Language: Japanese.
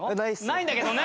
ないんだけどね。